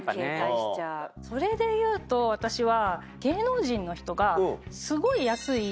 それでいうと私は。